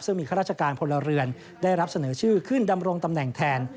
ซึ่งมีข้าราชการพลเรือนได้รับเสนอชื่อขึ้นดำรงตำแหน่งแทน